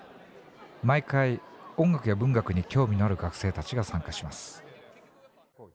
毎回音楽や文学に興味のある学生たちが参加します。